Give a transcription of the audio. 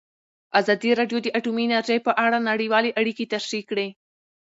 ازادي راډیو د اټومي انرژي په اړه نړیوالې اړیکې تشریح کړي.